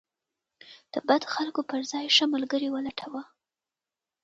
د بد خلکو پر ځای ښه ملګري ولټوه.